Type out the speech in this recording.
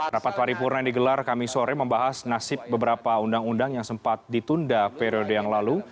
rapat paripurna yang digelar kami sore membahas nasib beberapa undang undang yang sempat ditunda periode yang lalu